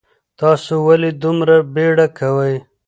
تاسو ولې دومره بیړه کوئ؟